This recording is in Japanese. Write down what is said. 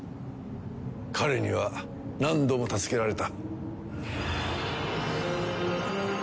彼には何度も助けられた。